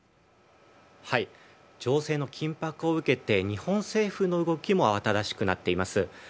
情勢の緊迫を受けて日本政府の動きも新しくなっています。